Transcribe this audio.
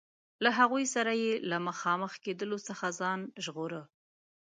له هغوی سره یې له مخامخ کېدلو څخه ځان ژغوره.